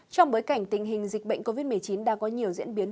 trong bối cảnh tình hình dịch bệnh covid một mươi chín đang có nhiều diễn biến